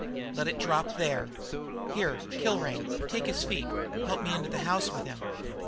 Let it drop there. Here, Kilrain, take his feet. Help me into the house with him."